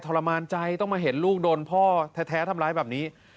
รมานใจต้องมาเห็นลูกโดนพ่อแท้ทำร้ายแบบนี้